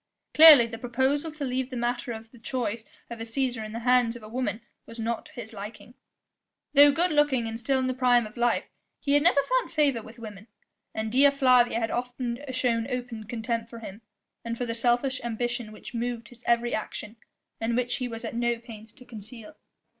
Clearly the proposal to leave the matter of the choice of a Cæsar in the hands of a woman was not to his liking. Though good looking and still in the prime of life he had never found favour with women, and Dea Flavia had often shown open contempt for him, and for the selfish ambition which moved his every action, and which he was at no pains to conceal.